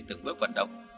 từng bước vận động